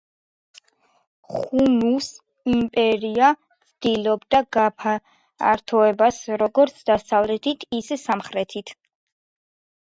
ხუნუს იმპერია ცდილობდა გაფართოებას როგორც დასავლეთით ისე სამხრეთით.